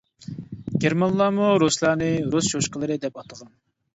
گېرمانلارمۇ رۇسلارنى رۇس چوشقىلىرى دەپ ئاتىغان.